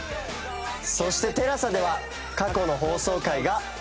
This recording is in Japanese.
そしてＴＥＬＡＳＡでは過去の放送回が見放題です。